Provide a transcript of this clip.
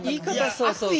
そうそう。